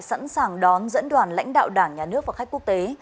sẵn sàng đón dẫn đoàn lãnh đạo đảng nhà nước và khách quốc tế